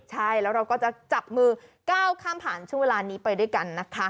ใช่แล้วเราก็จะจับมือก้าวข้ามผ่านช่วงเวลานี้ไปด้วยกันนะคะ